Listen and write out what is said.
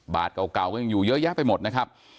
บาทเก่าก็ยังอยู่เยอะแยะไปหมดนะครับ